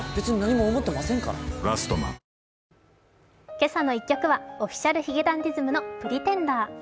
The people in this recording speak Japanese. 「けさの１曲」はＯｆｆｉｃｉａｌ髭男ｄｉｓｍの「Ｐｒｅｔｅｎｄｅｒ」。